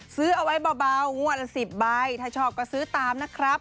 ซื้อเอาไว้เบางวดละ๑๐ใบถ้าชอบก็ซื้อตามนะครับ